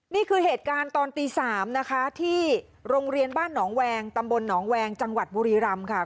นี่คือเหตุการณ์ตอนตี๓นะคะที่โรงเรียนบ้านหนองแวงตำบลหนองแวงจังหวัดบุรีรำค่ะ